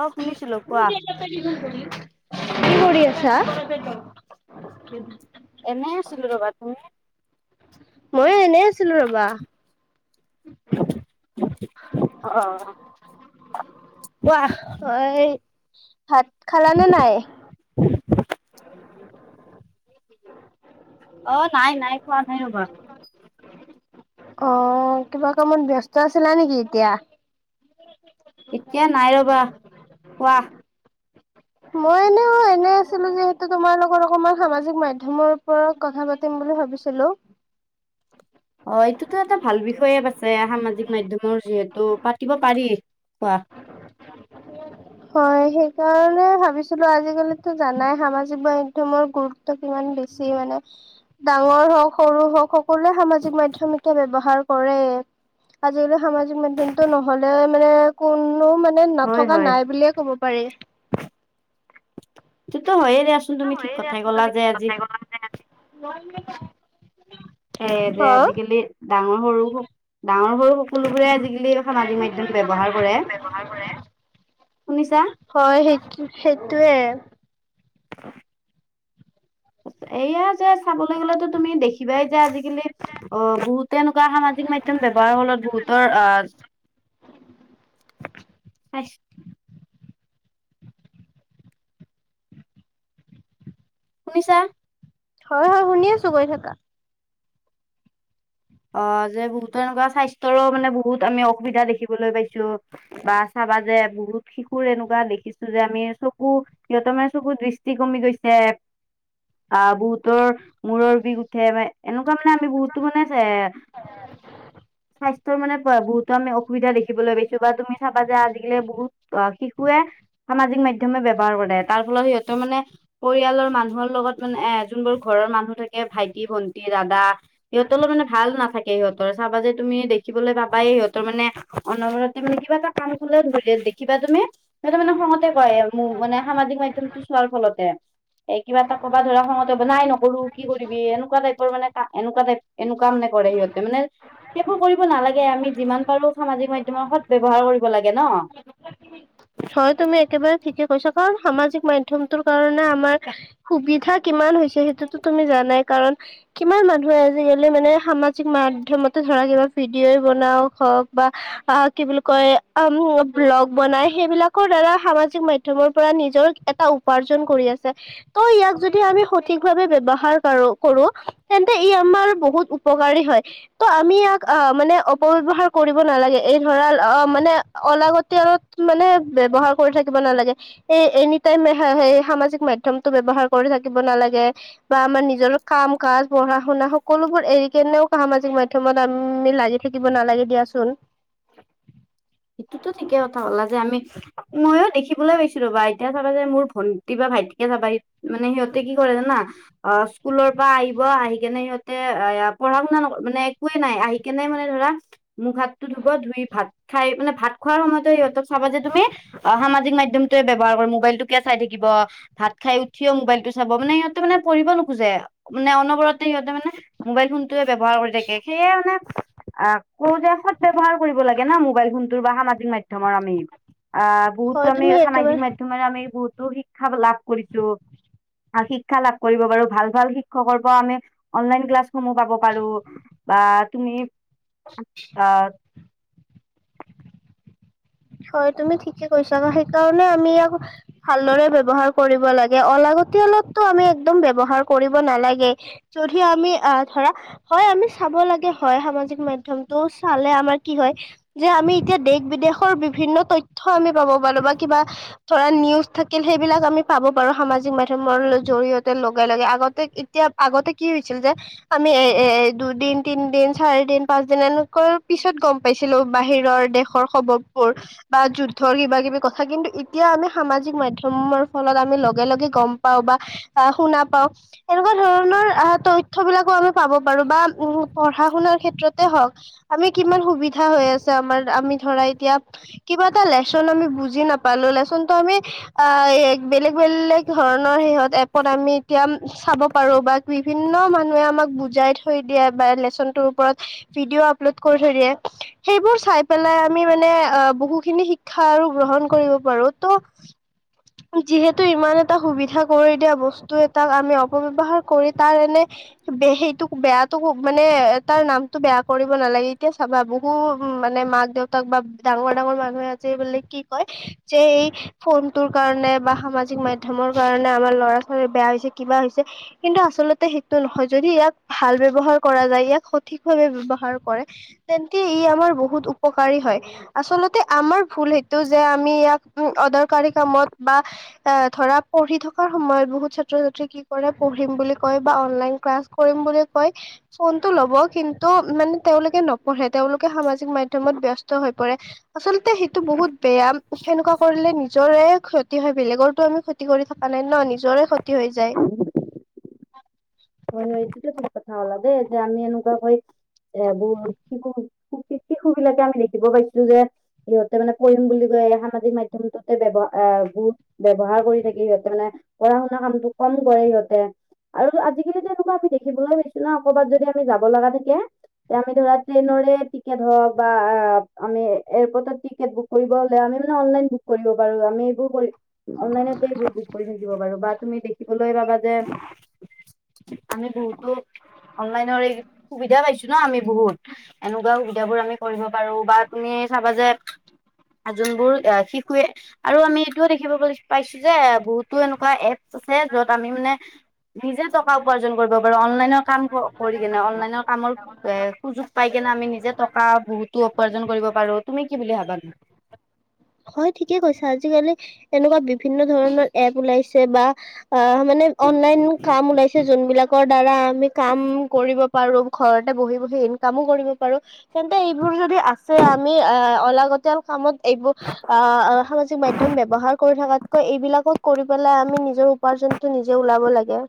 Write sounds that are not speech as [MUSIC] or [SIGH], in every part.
অ শুনিছিলো কোৱা। কি কৰি আছা? এনেই আছিলো ৰবা তুমি? ময়ো এনে আছিলো ৰ'বা। অ কোৱা। অ' সেই ভাত খালা নে নাই? [INAUDIBLE] অ' নাই নাই, খোৱা নাই ৰবা। [INAUDIBLE] অ' কিবা কামত ব্যস্ত আছিলা নেকি এতিয়া? এতিয়া নাই ৰবা কোৱা। মই এনে এনে আছিলো যিহেতু তোমাৰ লগত অকমান সামাজিক মাধ্যমৰ ওপৰত কথা পাতিম বুলি বুলি ভাবিছিলোঁ। অ' এইটোতো এটা ভাল বিষয়ে বাছে, সামাজিক মাধ্যমৰ যিহেতু পাতিব পাৰি। কোৱা। হয়, সেইকাৰণে ভাবিছিলো আজিকালিটো জানাই সামাজিক মাধ্যমৰ গুৰুত্ব কিমান। বেছি মানে ডাঙৰ হওক সৰু হওক সকলোৱে সামাজিক মাধ্যমকে ব্যৱহাৰ কৰে। আজিকালি সামাজিক মাধ্যমটো নহলে মানে কোনো মান নে, হয় নথকা হয়। নাই বুলিয়ে ক'ব পাৰি। সেইটো হয়য়ে দিয়াচোন, তুমি ঠিক কথাই কলা যে আজি [INAUDIBLE] হে, যে অ', আজিকালি ডাঙৰ-সৰু, ডাঙৰ-সৰু সকলোবোৰে আজিকালি সামাজিক মাধ্যম ব্যৱহাৰ কৰে। [INAUDIBLE] শুনিছা। হয়, সেইটো-সেইটোয়ে। [INAUDIBLE] এয়া, যে চাবলৈ গ'লেতো তুমি দেখিবাই। যে আজিকালি অ' বহুতে এনেকুৱা সামাজিক মাধ্যম ব্যৱহাৰৰ ফলত, বহুতৰ আহ [INAUDIBLE] আচ শুনিছা? হয় হয় শুনি আছো গৈ থাকা। অ' যে বহুতো এনেকুৱা স্বাস্থ্যৰো মানে বহুত আমি অসুবিধা দেখিবলৈ পাইছো বা পা যে বহুত শিশুৰ এনেকুৱা দেখিছো যে আমি চকু সিহতমে চকু দৃষ্টি কমি গৈছে। অ' বহুতৰ মূৰৰ বিষ উঠে ম এনেকুৱা তামানে আমি বহুতো মানে এ স্বাস্থ্যৰ মানে বহুতো আমি অসুবিধা দেখিবলৈ পাইছো বা তুমি চাবা যে আজিকালি বহুত অ' শিশুৱে সামাজিক মাধ্যমে ব্যৱহাৰ কৰে, তাৰ ফলত সিহতৰ মানে পৰিয়ালৰ মানুহৰ লগত মানে এ যোনবোৰ ঘৰৰ মানু থাক [UNINTELLIGIBLE] ভাইটি, ভণ্টি, দাদা, সিহঁত [UNINTELLIGIBLE] মানে ভাল নাথাকে সিহঁতৰ, চাবা যে তুমি দেখিবলৈ পাবাইয়ে সিহঁতৰ মানে অনবৰতে মানে কিবা এটা [UNINTELLIGIBLE] দেখিবা তুমি। সিহত মানে খঙতে কয়' ম মানে সামাজিক মাধ্যমটো চোৱাৰ ফলতে। এ, কিবা এটা কবা ধৰা খঙতে নাই নকৰো কি কৰিবি, এনেকুৱা টাইপৰ মানে। এনেকুৱা টাইপ এনেকুৱা মানে কৰে সিহঁতে মানে সেইবোৰ কৰিব নালাগে। আমি যিমান পাৰো সামাজিক মাধ্য তোমাৰ স'ত ব্যৱহাৰ কৰিব লাগে ন। হয়, তুমি একেবাৰে ঠিকে কৈছা কাৰণ সামাজিক মাধ্যমটোৰ কাৰণে আমাৰ সুবিধা কিমান হৈছে সেইটোতো তুমি জানাই কাৰণ কিমান মানুহে আজিকালি মানে সামাজিক মাধ্যমতে ধৰা কিব ভিডিঅ বনাও হওক বা কি বুলি কয় ব্লগ বনাই সেইবিলাকৰ দ্বাৰা সামাজিক মাধ্যমৰ পৰা নিজৰ এটা উপাৰ্জন কৰি আছে, ত' ইয়াক যদি তুমি সঠিক ভাবে ব্যৱহাৰ কা'ৰ কৰোঁ, তেন্তে ই আমাৰ বহুত উপকাৰী হয়, ত' আমি [UNINTELLIGIBLE] ক আ মানে অপব্যৱহাৰ কৰিব নালাগে, এই ধৰা অ' মানে অলাগতিয়াল মানে ব্যৱহাৰ কৰি থাকিব নালাগে, এই এনি টাইম স-সামাজিক মাধ্যমতটো ব্যৱহাৰ কৰি থাকিব নালাগে, বা আমাৰ নিজৰ কাম কাজ পঢ়া শুনা সকলোবোৰ এৰি কেনেও সামাজিক মাধ্যম প্ৰথমত আমি লাগি থাকিব নালাগে দিয়াচোন। সেইটোতো ঠিকে কথা ক'লা যে আমি ময়ো দেখিবলৈ পাইছো ৰ'বা, এতিয়া চাবা যে মোৰ ভন্টি বা ভাইটিকে চাবা মানে সিহঁতে কি কৰে অ' স্কুলৰ পৰা আহব, আহি কেনে সিহতে আয়া পঢ়া শুনা মানে একোৱে নাই। আহি কেনোই মানে ধৰা মোক হাতটো ধু'ব, ধুই ভাত খাই মানে ভাত খোৱাৰ সময়তো সিহঁতক চাবা যে তুমি সামাজিক মাধ্যমটোৱে ব্যৱহাৰ কৰে মোবাইল টোকে চাই থাকিব ভাত খাই উঠিয় মোবাইলটো চাব, মানে সিহঁতে মানে পঢ়িব নোখোজে, মানে অনবৰতে সিহঁতে মানে মোবাইল ফোন টোৱে ব্যৱহাৰ কৰি থাকে, সেয়ে মানে আ কোতে সৎ ব্যয়ৱহাৰ কৰিব লাগে ন মোক মোবাইল ফোনটো বা সামাজিক মাধ্মৰ আমি, আহ বহুতো হয় আমি তুমি একেবাৰে সামাজিক মাধ্যমৰে আমি বহুত তটো শিক্ষা লাভ কৰিছো। শিক্ষা লাভ কৰিব পাৰো ভাল ভাল শিক্ষকৰ পৰা আমি অনলাইন ক্লাছসমূহ পাব পাৰো। বা তুমি অ হয় তুমি ঠিকে কৈছা, আকৌ সেইকাৰণে আমি ইয়াক ভালদৰে ব্যৱহাৰ কৰিব লগে, অলাগতিলতটো আমি একদম ব্যৱহাৰ কৰিব নালাগে, যদি আমি আহ ধৰা হয় আমি চাব লাগে হয় সামাজিক মাধ্যমটো চালে আমাৰ কি হয়, যে আমি এতিয়া দ বিদেশৰ বিভিন্ন তথ্য আমি পাব পাৰো বা কিবা ধৰা নিউজ থাকিল সেইবিলাক আমি পাব পাৰো সামাজিক মাধ্যমৰ জৰিয়তে লগে লগে আগতে এতিয়া আগতে কি হৈছিল যে, আমি এ-এ-এ দুদিন তিন দিন চাৰি দিন পাঁচ দিন এনেকৈ পিছত ত গম পাইছিলো বাহিৰৰ দেশৰ সব বা যুদ্ধৰ কিবা কিবি কথা কিন্তু এতিয়া আমি সামাজিক মাধ্যমৰ ফলত আমি লগে লগে গম পাওঁ বা আহ শুনা পাওঁ, এনেকুৱা ধৰণৰ আহ তথ্য বিলাকো আমি পাব পাৰো বা উম পঢ়া শুনাৰ ক্ষেত্ৰতে হওক আমি কিমান সুবিধা হৈ আছে আমাৰ আমি ধৰা এতিয়া কিবা এটা লেচন আমি বুজি নাপালো লেচনতো আমি আ বেলেগ বেলেগ ধৰণৰ সিহঁত এপত আমি এতিয়া চাব পাৰো বা বিভিন্ন মানুহে আমাক বুজাই থৈ দিয়ে বা লেচনটোৰ ওপৰত ভিডিঅ' আপলোড কৰি থৈ দিয়ে, সেইবোৰ চাই পেলাই আমি মানে আহ বহুখিনি শিক্ষা আৰু গ্ৰহণ কৰিব পাৰো ত'। যিহেতু ইমান এটা সুবিধা কৰি দিয়া বস্তু এটাক আমি অপব্যৱহাৰ কৰি তাৰ এনে সেইটোক বেয়াতটো মানে তাৰ নামতটো বেয়া কৰিব নালাগে এতিয়া চাবা বহু মানে মাক দেউতাক বা ডাঙৰ ডাঙৰ মানুহে আজি বো কি কয় যে এই ফোনটোৰ কাৰণে বা সামাজিক মাধ্যমৰ কাৰণে আমাৰ ল'ৰা ছোৱালী বেয়া হৈছে কিবা হৈছে কিন্তু আচলতে সেইটো নহয় যদি ইয়াক ভাল ব্যৱহাৰ ব্যৱহাৰ কৰা যায় ইয়াক সঠিক ভাৱে ব্যৱহাৰ কৰে তেন্তে ই আমাৰ বহুত উপকাৰী হয়। আচলতে আমাৰ ভুল সেইটো যে আমি ইয়াক উ অদৰকাৰী কামত বা এ ধৰা পঢ়ি থকাৰ সময়ত বহুত ছাত্ৰ ছাত্ৰী কি কৰে পঢ়িম বুলি কয় বা অনলাইন ক্লাছ কৰিম বুলি কয় ফোনতটো ল'ব কিন্তু মানে তেওঁলোকে নপঢ়ে তেওঁলোকে সামাজিক মাধ্যমত ব্যস্ত হৈ আচলতে সেইটো বহুত বেয়া সেনেকুৱা কৰিলে নিজৰে ক্ষতি হয় বেলেগৰটো আমি ক ক্ষতি কৰি থকা নাই ন' নিজৰে ক্ষতি হৈ যায়। অ' সাইটিতে কথা কলা দে যে আমি এনেকুৱা কৰি এ বহুত শিশু শিশু বিলাকে আমি দেখিব পাইছিলো যে সিহঁতে মানে কৰিম বুলি ক সামাজিক মাধ্যমতোটে ব্যৱ এ বহুত ব্যৱহাৰ কৰি থাকে সিহতে মানে পঢ়া শুনা কামটো কম কৰে সিহঁতে, আৰু আজিকালি যে এনেকুৱা আমি দেখিবলৈ পাইছো ন' ক'বাত যদি আমি যাব লগা থাকে আমি ধৰা ট্ৰেইনৰে টিকেট হওক বা আমি এয়াৰপৰ্টত টিকেট বুক কৰিব হলে আমি। আমি না অনলাইন বুক কৰিব পাৰে আমি এইবোৰ কৰি অনলাইনতে এইবোৰ বুক কৰি থাকিব পাৰো বা তুমি বাবাদে [UNINTELLIGIBLE] আমি বহুতো অনলাইনৰ এই সুবিধা পাইছো। ন আমি বহুত এনেকুৱা সুবিধা বোৰ আমি কৰিব পাৰো বা তুমি চাবা যে যোনবোৰ শিশুৱে আৰু আমি এইটোও দেখিব পাইছো যে বহুতো এনেকুৱা এপ যত আমি মানে নিজে উপাৰ্জন কৰিব পাৰো অনলাইনৰ কাম কৰি কেনে অনলাইনৰ কামৰ সুযোগ পাই কেনে আমি নিজে টকা বহুতো উপাৰ্জন কৰিব পাৰো তুমি কি বুলি ভাসানো? হয় ঠিকে কৈছা আজিকালি এনেকুৱা বিভিন্ন ধৰণৰ এপ ওলাইছে বা অ মানে অনলাইন কাম ওলাইছে যোন বিলাকৰ দ্বাৰা আমি কাম কৰিব পাৰো। ঘৰতে বহি বহি ইনকামো কৰিব পাৰো তেন্তে এইবোৰ যদি আছে আমি অল কামত এইবোৰ আহ সামাজিক মাধ্যম ব্যৱহাৰ কৰি থকাতকৈ এইবিলাকত কৰি পেলাই আমি নিজৰ উপাৰ্জনটো নিজে ওলাব লাগে।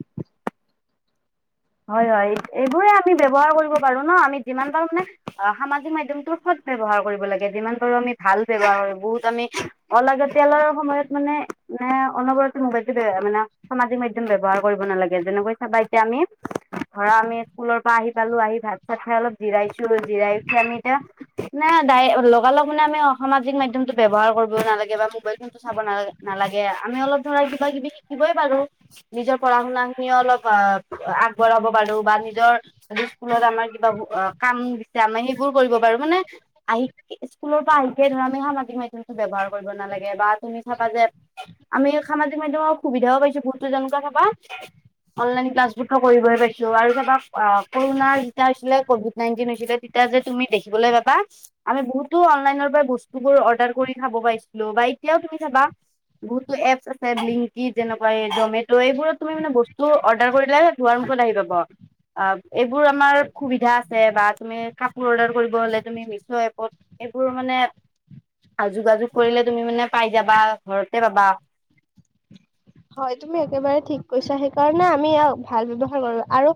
হয় হয় এইবোৰে আমি ব্যৱহাৰ কৰিব পাৰো ন আমি যিমান পাৰো মানে অ সামাজিক মাধ্যমটো ব্যৱহাৰ কৰিব লাগে যিমান পাৰো আমি ভাল ব্যৱহাৰ কৰো বহুত আমি। অলাগতিয়ালৰ সময়ত মানে মানে অনবৰতে মোবাইল মানে সামাজিক মাধ্যম ব্যৱহাৰ কৰিব নালাগে যেনেকৈ চাবা এতিয়া আমি। [UNINTELLIGIBLE] দৰা আমি স্কুলৰ পৰা আহি পালো আহি ভাত চাত খাই অলপ জিৰাইছো জিৰাই উঠি আমি এতিয়া ন তাই লগালগ মানে আমি সামাজিক মাধ্যমটো ব্যৱহাৰ কৰিব নালাগে বা মোবাইল ফোন টো চাব নালাগে নালাগে। মানে অলপ ধৰা কিবা কিবি শিকিবই পাৰো নিজৰ পঢ়া শুনা খিনি অলপ আ আগ। বঢ়াব পাৰো বা নিজৰ যি স্কুলত আমাৰ কিবা কাম দিছে আমি সেইবোৰ কৰিব পাৰো মানে। আহি স্কুলৰ পৰা আহিকে ধৰা আমি সামাজিক মাধ্যমটো ব্যৱহাৰ কৰিব নালাগে বা তুমি চাবা যে। আমি সামাজিক মাধ্যমৰ সুবিধাওঁ পাইছো বহুতো যেনেকুৱা চাবা অনলাইন ক্লাছবোৰ থ। কৰিবহে পাইছিলো আৰু চাবা কৰুণাৰ যেতিয়া হৈছিলে কভিড নাইনটিন হৈছিলে তেতিয়া যে তুমি দেখিবলৈ। পাবা আমি বহুতো অনলাইনৰ পৰা বস্তু বোৰ অৰ্ডাৰ কৰি খাব পাইছিলো বা এতিয়াও তুমি চাবা। বহুতো এপছ আছে ব্লিংকিট যেনেকুৱা জমেট' এইবোৰত তুমি মানে বস্তু অৰ্ডাৰ কৰিলে। দুৱাৰ মুখত আহি পাব। অ', এইবোৰ আমাৰ সুবিধা আছে বা তুমি কাপোৰ অৰ্ডাৰ কৰিব হলে তুমি মিছো এপত। এইবোৰ মানে। যোগাযোগ কৰিলে তুমি মানে পাই যাবা ঘৰতে পাবা। হয় তুমি একেবাৰে ঠিক কৈছা সেইকাৰণে আমি ভাল ব্যৱহাৰ কৰো আৰু।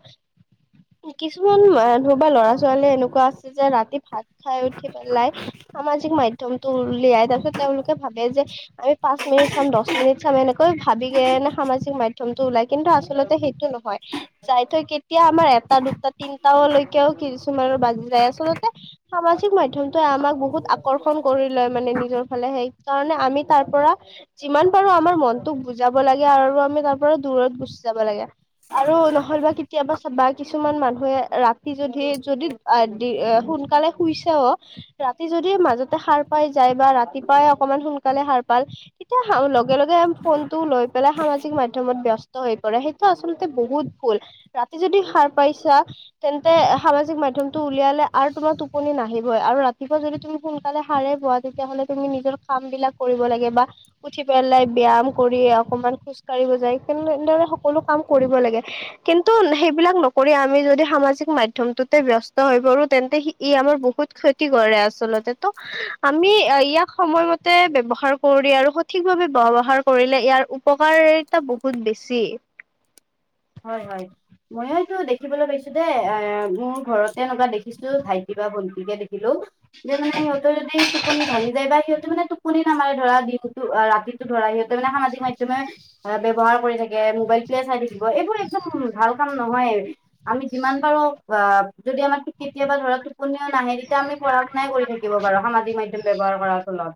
কিছুমান মানুহ বা লৰা-ছোৱালী এনেকুৱা আছে যে ৰাতি ভাত খাই উঠি পেলাই সামাজিক মাধ্যমটো উলিয়াই তাৰ পিছত তেওঁলোকে ভাবে যে আমি পাঁচ মিনিট চাম, দচ মিনিট চাম এনেকৈ ভাবিগেনে সামাজিক মাধ্যম। মাধ্যমটো ওলাই কিন্তু আচলতে সেইটো নহয় যায় থৈ কি। এতিয়া আমাৰ এটা দুটা তিনিটা লৈকেও কিছুমানৰ বাজি যায় আচলতে। সামাজিক মাধ্যমটোৱে আমাক বহুত আকৰ্ষণ কৰি লয় মানে নিজৰ ফালে সেই কাৰণে আমি তাৰ পৰা। যিমান পাৰোঁ আমাৰ মনতো বুজ। বুজাব লাগে আৰু আমি তাৰ পৰা দূৰত গুচি যাব লাগে আৰু নহ'লেবা কেতিয়াবা। বা কিছুমান মানুহে ৰাতি যদি যদি দি সোনকালে। শুইছেও ৰাতি যদি মাজতে সাৰ পাই যায় বা ৰাতিপুৱাই অকমান সোনকালে সাৰ পাল। তেতিয়া লগে লগে ফোন। টোলৈ পেলাই সামাজিক মাধ্যমত ব্যস্ত হৈ পৰে সেইটো আচলতে বহুত ভুল, ৰাতি যদি সাৰ পাই। পাইচা, তেন্তে সামাজিক মাধ্যমটো উলিয়ালে আৰু তোমাৰ টোপনি নাহিবই আৰু ৰাতিপুৱা যদি তুমি। সোনকালে সাৰে পোৱা তেতিয়া হলে তুমি নিজৰ কাম বিলাক কৰিব লাগে বা উঠি পেলাই ব্যায়াম। কৰি অকমান খোজ কঢ়িব যায় কিন্তু এনেদৰে সকলো কাম কৰিব লাগে কিন্তু সেইবিলাক ন। কৰি আমি যদি সামাজিক মাধ্যমটোতে ব্যস্ত হৈ পৰো তেন্তে সি ই আমাৰ বহুত ক্ষতি কৰে আচল। তাতেটো আমি ইয়াক সময়মতে ব্যৱহাৰ কৰি আৰু সঠিকভাৱে ব্যৱহাৰ। কৰিলে ইয়াৰ উপকাৰিতা বহুত বেছি। হয় হয় ময়ো এইটো দেখিবলৈ পাইছোঁ দে এ মোৰ ঘৰতে এনেকুৱা দেখিছোঁ ভাইটি। বা ভন্টিকে দেখিলোঁ যে মানে সিহঁতৰ যদি টোপনি ভাঙি যায় বা সিহঁতে মানে। টোপনি নামাৰে ধৰা দিনটো অহ ৰাতিটো ধৰা সিহঁতে মানে সামাজিক মাধ্যমে ব্যৱহাৰ কৰি থাকে উম। মোবাইল টোৱে চাই থৈ দিব এইবোৰ একদম ভাল। কাম নহয়, আমি যিমান পাৰোঁ বা যদি আমাৰ কেতিয়াবা ধৰক। কোনেও নাহে তেতিয়া আমি পঢ়া শুনাই কৰি থাকিব বাৰু সামাজিক মাধ্যম ব্যৱহাৰ কৰাৰ ফলত,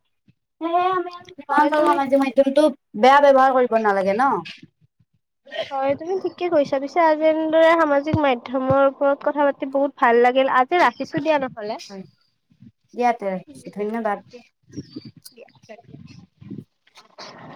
সেয়েহে আমি [UNINTELLIGIBLE] হয় তুমি সামাজিক মাধ্যমতটো বেয়া ব্যৱহাৰ কৰিব নালাগে ন'। হয় তুমি ঠিকে কৈছা, পিছে আজি এনেদৰে সামাজিক মাধ্যমৰ ওপৰত কথা পাতি বহুত ভাল লাগিল। আজি ৰাখিছোঁ দিয়া ন' হয়, দিয়া তে ৰাখিছো ধন্যবাদ। হলে